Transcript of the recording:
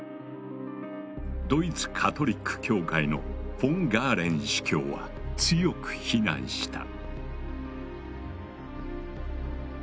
ドイツ・カトリック教会のフォン・ガーレン司教は強く非難した。